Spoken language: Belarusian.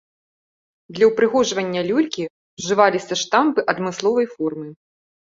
Для ўпрыгожвання люлькі ўжываліся штампы адмысловай формы.